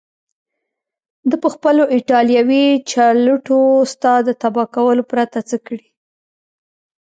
ده پخپلو ایټالوي چلوټو ستا د تباه کولو پرته څه کړي.